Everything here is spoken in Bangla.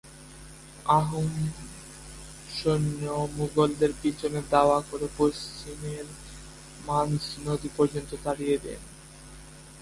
আহোম সৈন্য মোগলদের পিছনে ধাওয়া করে পশ্চিমের মানস নদী পর্যন্ত তাড়িয়ে দেন।